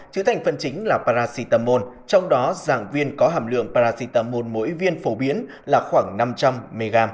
chứa thành phần chính là paracetamol trong đó giảng viên có hàm lượng paracetamol mỗi viên phổ biến là khoảng năm trăm linh mg